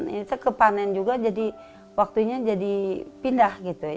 kita kepanen juga jadi waktunya jadi pindah gitu ya